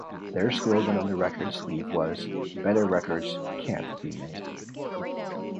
Their slogan on the record sleeve was "Better records can't be made".